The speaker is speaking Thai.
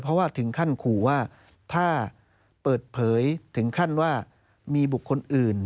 เพราะว่าถึงขั้นขู่ว่าถ้าเปิดเผยถึงขั้นว่ามีบุคคลอื่น